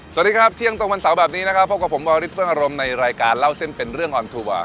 สวัสดีครับเที่ยงตรงวันเสาร์แบบนี้นะครับพบกับผมวาริสเฟื้องอารมณ์ในรายการเล่าเส้นเป็นเรื่องออนทัวร์